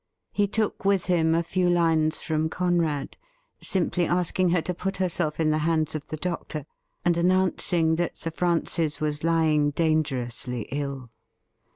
He took with him a few lines from Conrad, simply asking her to put herself in the hands of the doctor, and announcing that Sir Francis was lying dangerously ill.